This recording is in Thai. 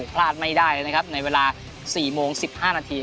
พลาดไม่ได้เลยนะครับในเวลา๔โมง๑๕นาที